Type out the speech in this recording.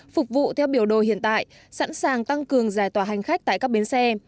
phục vụ theo biểu đồ hiện tại sẵn sàng tăng cường giải tỏa hành khách tại các bến xe